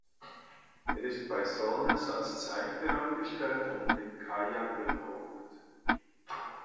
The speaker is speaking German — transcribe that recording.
Er ist bei Solness als Zeichner angestellt und mit Kaja verlobt.